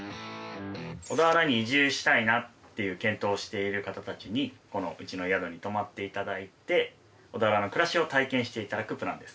小田原に移住したいなっていう検討をしている方たちにこのうちの宿に泊まっていただいて小田原の暮らしを体験していただくプランです。